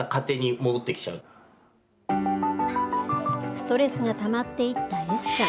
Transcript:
ストレスがたまっていったＳさん。